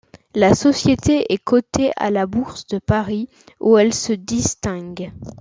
La Société est cotée à la Bourse de Paris, où elle se distingue.